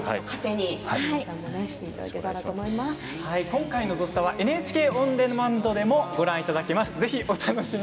今回の「土スタ」はＮＨＫオンデマンドでもご覧いただけます。